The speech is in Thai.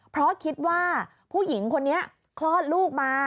เพราะคิดว่าผู้หญิงคนนี้คลอดลูกมา